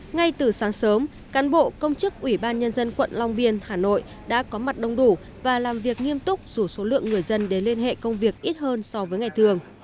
ngay từ sáng sớm cán bộ công chức ủy ban nhân dân quận long biên hà nội đã có mặt đông đủ và làm việc nghiêm túc dù số lượng người dân đến liên hệ công việc ít hơn so với ngày thường